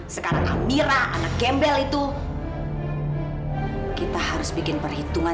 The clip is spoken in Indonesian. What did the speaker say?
sampai jumpa di video selanjutnya